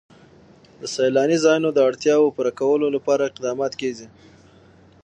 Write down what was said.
د سیلاني ځایونو د اړتیاوو پوره کولو لپاره اقدامات کېږي.